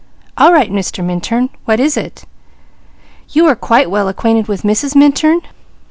"All right, Mr. Minturn, what is it?" "You are well acquainted with Mrs. Minturn?"